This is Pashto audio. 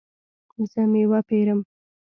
زه میوه پیرم